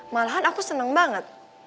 malahan aku seneng banget